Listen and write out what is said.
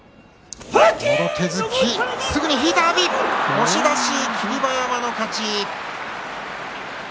押し出し、霧馬山の勝ち。